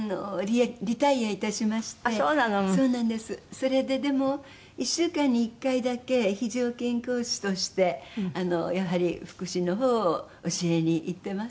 それででも１週間に１回だけ非常勤講師としてやはり福祉のほうを教えに行ってます。